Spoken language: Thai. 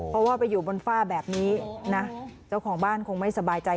เพราะว่าไปอยู่บนฝ้าแบบนี้นะเจ้าของบ้านคงไม่สบายใจ